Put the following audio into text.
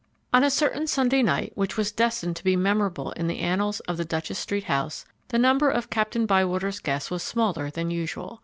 On a certain Sunday night, which was destined to be memorable in the annals of the Duchess street house, the number of Captain Bywater's guests was smaller than usual.